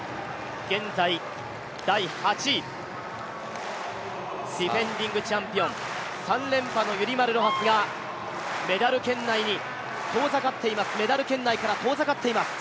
現在第８位、ディフェンディングチャンピオン、３連覇のユリマル・ロハスがメダル圏内から遠ざかっています。